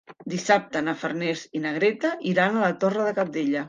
Dissabte na Farners i na Greta iran a la Torre de Cabdella.